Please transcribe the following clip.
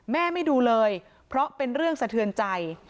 แม่ไม่ดูเลยเพราะเป็นเรื่องสะเทือนใจ